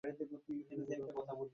আমি আবারও করবো।